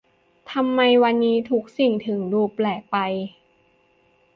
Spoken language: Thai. ทำไมวันนี้ทุกสิ่งถึงดูแปลกไป !